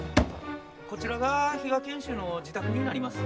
・こちらが比嘉賢秀の自宅になります。